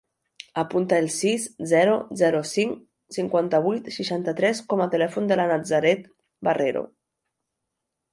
Apunta el sis, zero, zero, cinc, cinquanta-vuit, seixanta-tres com a telèfon de la Nazaret Barrero.